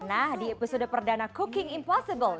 nah di episode perdana cooking impossible